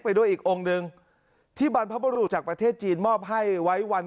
ด้วยอีกองค์หนึ่งที่บรรพบุรุษจากประเทศจีนมอบให้ไว้วัน